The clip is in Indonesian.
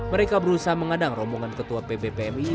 mereka berusaha mengadang rombongan ketua pb pmi